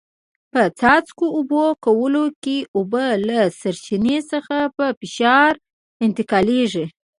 په څاڅکو اوبه کولو کې اوبه له سرچینې څخه په فشار انتقالېږي.